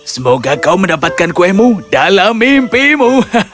semoga kau mendapatkan kuemu dalam mimpimu